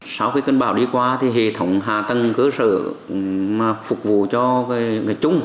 sau khi cơn bão đi qua thì hệ thống hạ tầng cơ sở phục vụ cho người chung